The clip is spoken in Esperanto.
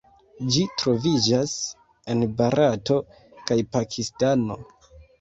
Ĝi troviĝas en Barato kaj Pakistano.